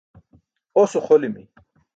Os uxolimi.